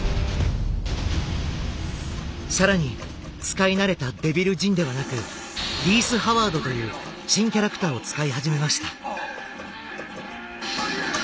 更に使い慣れたデビル仁ではなくギース・ハワードという新キャラクターを使い始めました。